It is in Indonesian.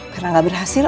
karena gak berhasil